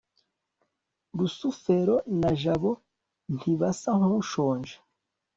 rusufero na jabo ntibasa nkushonje